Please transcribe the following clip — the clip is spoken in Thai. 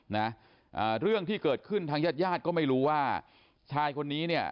นะอ่าเรื่องที่เกิดขึ้นทางญาติญาติก็ไม่รู้ว่าชายคนนี้เนี่ย